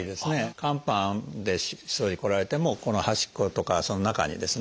肝斑でそういうふうに来られてもこの端っことかその中にですね